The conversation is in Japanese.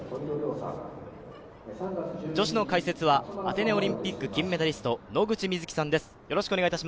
女子の解説はアテネオリンピック金メダリスト、野口みずきさんです。